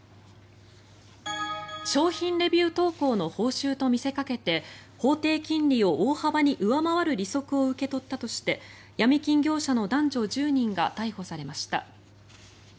商品レビュー投稿の報酬と見せかけて法定金利を大幅に上回る利息を受け取ったとしてヤミ金業者の男女１０人が逮捕されました。